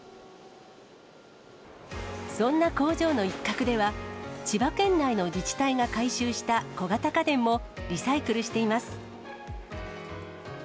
そんな工場の一角では、千葉県内の自治体が回収した小型家電も、リサイクルしています。